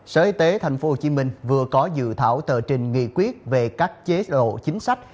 sở y tế tp hcm vừa có dự thảo tờ trình nghị quyết về các chế độ chính sách